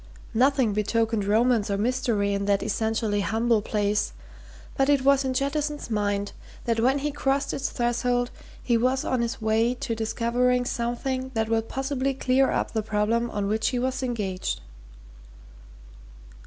Nothing betokened romance or mystery in that essentially humble place, but it was in Jettison's mind that when he crossed its threshold he was on his way to discovering something that would possibly clear up the problem on which he was engaged.